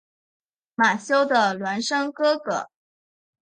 马修的孪生哥哥。